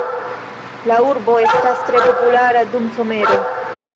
La urbo estas tre populara dum somero.